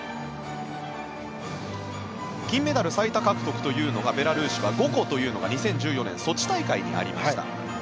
金メダル最多獲得というのがベラルーシは５個というのが２０１４年ソチ大会にありました。